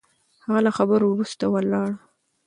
هغه له خبرو وروسته ولاړ.